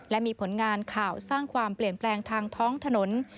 และมีผลงานข่าวสร้างความเปลี่ยนแปลงทางท้องถนน